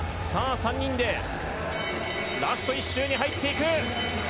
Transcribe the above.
３人でラスト１周に入っていく！